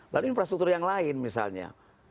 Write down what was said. lalu infrastruktur yang lain misalnya